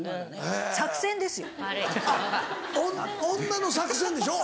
女の作戦でしょ？